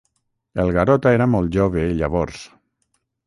El Garota era molt jove, llavors.